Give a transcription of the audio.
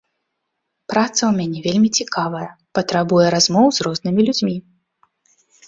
Праца ў мяне вельмі цікавая, патрабуе размоў з рознымі людзьмі.